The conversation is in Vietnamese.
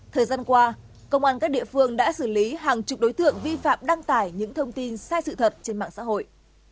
thời gian qua công an các địa phương đã xử lý hàng chục đối tượng vi phạm đăng tải những thông tin sai sự thật trên mạng xã hội